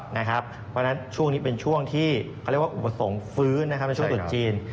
เพราะฉะนั้นช่วงนี้เป็นช่วงที่เขาเรียกว่าอุปสรรคฟื้นในช่วงตรุษจีน